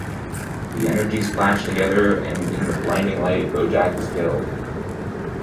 The energies clash together and in the blinding light Bojack is killed.